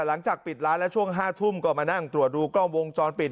หลังจากปิดร้านแล้วช่วง๕ทุ่มก็มานั่งตรวจดูกล้องวงจรปิด